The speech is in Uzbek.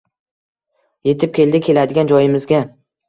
yetib keldik, keladigan joyimizga